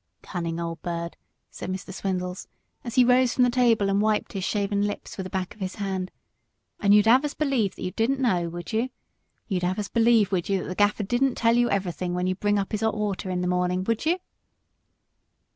"Cunning old bird," said Mr. Swindles, as he rose from the table and wiped his shaven lips with the back of his hand; "and you'd have us believe that you didn't know, would you? You'd have us believe, would you, that the Gaffer don't tell you everything when you bring up his hot water in the morning, would you?"